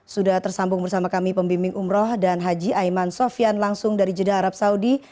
sudah tersambung bersama kami pembimbing umroh dan haji aiman sofian langsung dari jeddah arab saudi